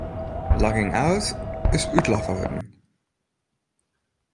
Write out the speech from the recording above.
Logging out is útlogge wurden.